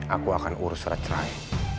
aku akan urus surat cerai